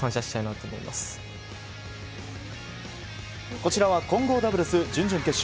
こちらは混合ダブルス準々決勝。